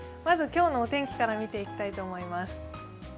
まず今日のお天気から見ていきたいと思います。